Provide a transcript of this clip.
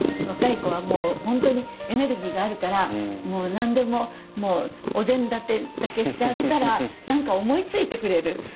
若い子はもう本当にエネルギーがあるからもう何でもお膳立てだけしてあげたら何か思いついてくれる。